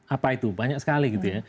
apa itu banyak sekali gitu ya